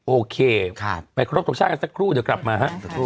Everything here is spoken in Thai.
โอเคไปครบตกช่างันสักครู่เดี๋ยวกลับมา